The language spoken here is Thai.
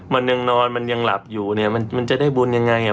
มันยังนอนมันยังหลับอยู่เนี่ยมันจะได้บุญยังไงอ่ะ